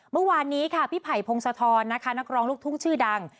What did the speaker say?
เมื่อวานนี้ค่ะพี่ไผ่พงศธรนะคะนักร้องลูกทุ่งชื่อดัง